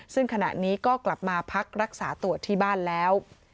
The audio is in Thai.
ซึ่งขณะนี้ก็กลับมาพักรักษาตัวที่บ้านแล้ว